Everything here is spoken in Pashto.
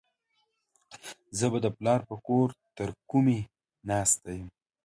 زه به د پلار په کور ترکمي ناسته يمه.